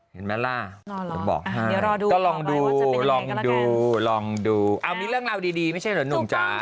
เห็นไหมล่ะบอกให้ลองดูลองดูลองดูเอานี่เรื่องราวดีไม่ใช่เหรอหนุ่มจ๊ะ